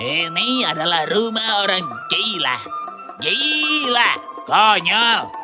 ini adalah rumah orang gila gila konyol